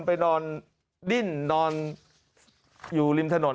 ไปดื่นดอนอยู่ริมถนน